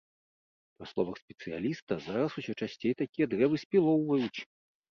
Па словах спецыяліста, зараз усё часцей такія дрэвы спілоўваюць.